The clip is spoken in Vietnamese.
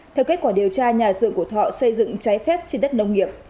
theo kết quả điều tra nhà xưởng của thọ xây dựng trái phép trên đất nông nghiệp